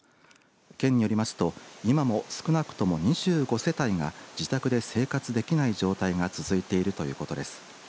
県によりますと今も少なくとも２５世帯が自宅で生活できない状態が続いているということです。